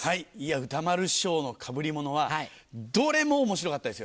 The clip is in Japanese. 歌丸師匠のかぶりものはどれも面白かったですよね。